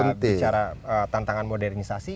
bicara tantangan modernisasi